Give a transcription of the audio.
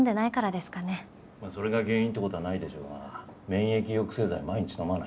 まあそれが原因って事はないでしょうが免疫抑制剤は毎日飲まないと。